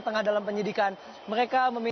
tengah dalam penyidikan mereka